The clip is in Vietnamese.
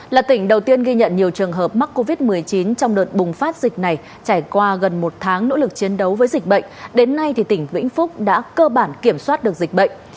là tỉnh đầu tiên ghi nhận nhiều trường hợp mắc covid một mươi chín trong đợt bùng phát dịch này trải qua gần một tháng nỗ lực chiến đấu với dịch bệnh đến nay tỉnh vĩnh phúc đã cơ bản kiểm soát được dịch bệnh